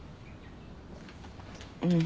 うん。